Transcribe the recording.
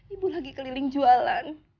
ibu lagi keliling jualan